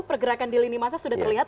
pergerakan di lini masa sudah terlihat